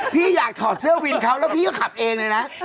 พี่อยากถอดเสื้อวินเขาแล้วพี่ก็ขับเองเลยนะ